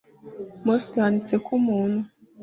mose yanditse ko umuntu